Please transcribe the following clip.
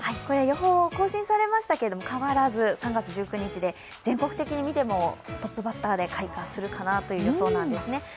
これ、予報、更新されましたけど、変わらず、３月１９日で、全国的に見てもトップバッターで開花するかなという予想なんですね。